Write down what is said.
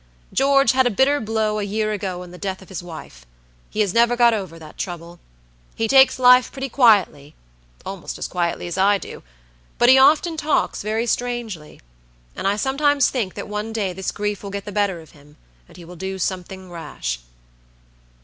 "George had a bitter blow a year ago in the death of his wife. He has never got over that trouble. He takes life pretty quietlyalmost as quietly as I dobut he often talks very strangely, and I sometimes think that one day this grief will get the better of him, and he will do something rash."